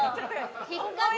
ひっかけ？